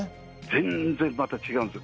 全然また違うんですよ。